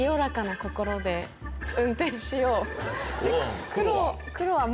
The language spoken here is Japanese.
で運転しよう。